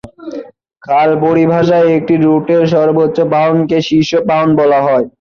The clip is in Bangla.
খাল পরিভাষায়, একটি রুটের সর্বোচ্চ পাউন্ডকে শীর্ষ পাউন্ড বলা হয়।